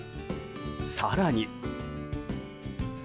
更に。